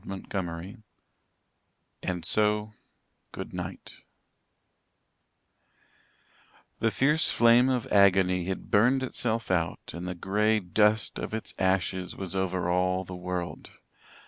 CHAPTER XXIII "AND SO, GOODNIGHT" The fierce flame of agony had burned itself out and the grey dust of its ashes was over all the world.